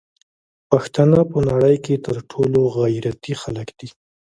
پښتانه په نړی کی تر ټولو غیرتی خلک دی